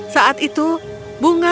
saat itu bunga itu